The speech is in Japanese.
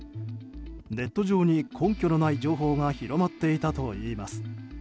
ネット上に根拠のない情報が広まっていたといいます。